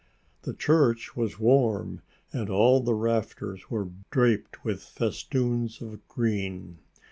The church was warm and all the rafters were draped with festoons of green.